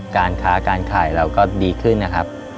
การค้าการขายเราก็ดีขึ้นนะครับ